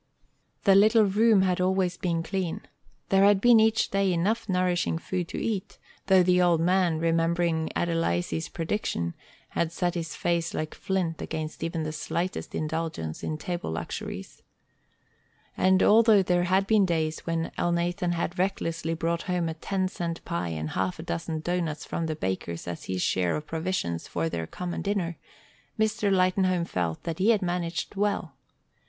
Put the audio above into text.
The little room had always been clean. There had been each day enough nourishing food to eat, though the old man, remembering Adelizy's prediction, had set his face like flint against even the slightest indulgence in table luxuries. And, although there had been days when Elnathan had recklessly brought home a ten cent pie and half a dozen doughnuts from the baker's as his share of provision for their common dinner, Mr. Lightenhome felt that he had managed well.